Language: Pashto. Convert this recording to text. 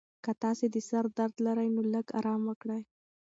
که تاسي د سر درد لرئ، نو لږ ارام وکړئ.